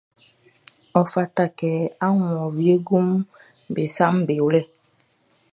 Ɔ fata kɛ a wun ɔ wienguʼm be saʼm be wlɛ.